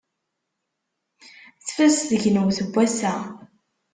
Tfaz tegnewt n wass-a.